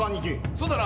そうだな。